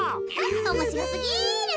おもしろすぎる。